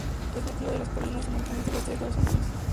Es nativa de las colinas y montañas del oeste de Estados Unidos.